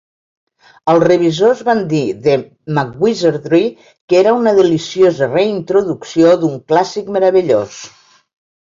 Els revisors van dir de MacWizardry que era una deliciosa reintroducció d'un clàssic meravellós.